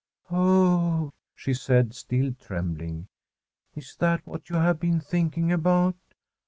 * Oh,' she said, still trembling, ' is that what you have been thinking about?